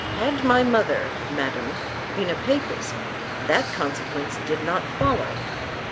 Had my mother, Madam, been a Papist, that consequence did not follow.